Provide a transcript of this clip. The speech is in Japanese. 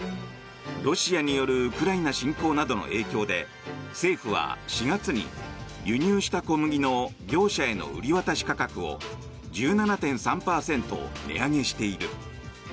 ロシアによるウクライナ侵攻などの影響で政府は４月に輸入した小麦の業者への売り渡し価格を１７．３％値上げしている。